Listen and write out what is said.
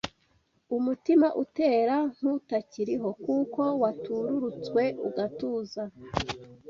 Umutima utera nk’ utakiriho Kuko watururutswe ugatuza